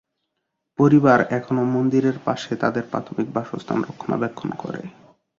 পরিবার এখনও মন্দিরের পাশে তাদের প্রাথমিক বাসস্থান রক্ষণাবেক্ষণ করে।